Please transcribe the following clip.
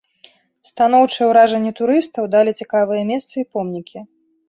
Станоўчыя ўражанні турыстаў далі цікавыя месцы і помнікі.